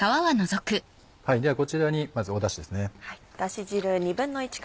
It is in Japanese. ではこちらにまずだしです。